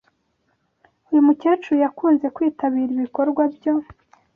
Uyu mukecuru yakunze kwitabira ibikorwa byo